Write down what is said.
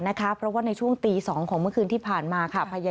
เพราะว่าในช่วงตี๒ของเมื่อคืนที่ผ่านมาค่ะ